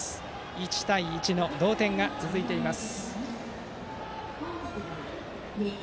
１対１の同点が続いています。